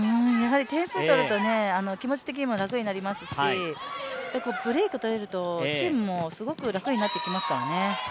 点数取ると気持的にも楽になりますし、ブレークを取れると、チームもすごい楽になってきますからね。